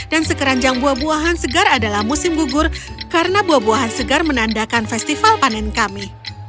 dan sekeranjang buah buahan segar adalah musim gugur karena buah buahan segar menandakan festival panen kami